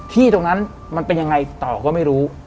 ที่ตรงนั้นมันเป็นยังไงต่อก็ไม่รู้